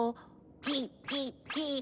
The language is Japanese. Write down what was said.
チッチッチッ。